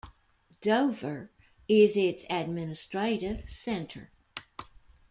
Dover is its administrative centre.